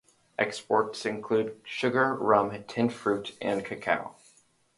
Exports include sugar, rum, tinned fruit, and cacao.